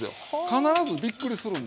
必ずびっくりするんです。